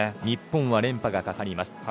日本は連覇がかかります。